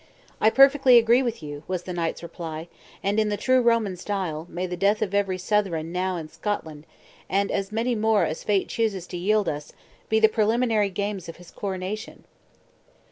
"I perfectly agree with you," was the knight's reply; "and in the true Roman style, may the death of every Southron now in Scotland, and as many more as fate chooses to yield us, be the preliminary games of his coronation!"